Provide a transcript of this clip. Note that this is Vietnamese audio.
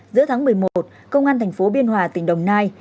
giữa tháng một mươi một công an thành phố biên hòa tỉnh đồng nai